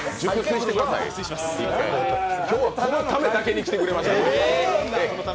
今日はこのためだけに来てくれましたので。